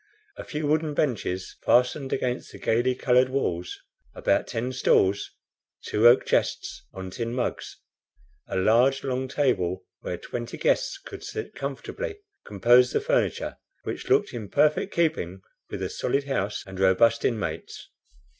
A few wooden benches fastened against the gaily colored walls, about ten stools, two oak chests on tin mugs, a large long table where twenty guests could sit comfortably, composed the furniture, which looked in perfect keeping with the solid house and robust inmates.